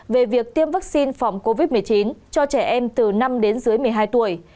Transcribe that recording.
về việc tiêm vaccine phòng covid một mươi chín cho trẻ em từ năm đến dưới một mươi hai tuổi